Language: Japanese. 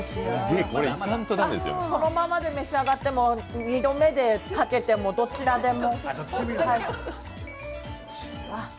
そのままで召し上がっても２度目でかけてもどちらでも。